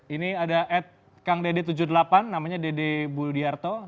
ini ada at kangdd tujuh puluh delapan namanya dd buldiarto